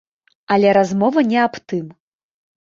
Але размова не аб тым.